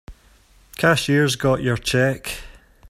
Cashier's got your check.